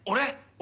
俺？